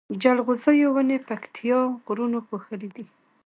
جلغوزيو ونی پکتيا غرونو پوښلي دی